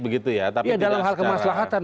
begitu ya tapi dalam hal kemaslahatan